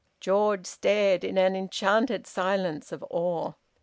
George stared in an enchanted silence of awe.